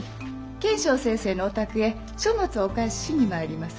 慶尚先生のお宅へ書物をお返ししに参ります。